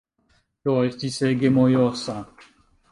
Do, estis ege mojosa.